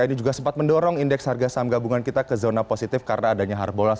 ini juga sempat mendorong indeks harga saham gabungan kita ke zona positif karena adanya harbolas